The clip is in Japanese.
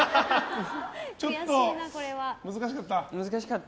ちょっと難しかった？